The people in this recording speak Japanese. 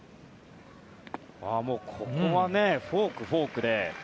ここはフォーク、フォーク。